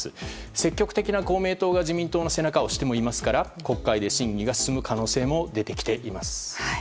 積極的な公明党が自民党の背中を押してもいますから国会で審議が進む可能性も出てきています。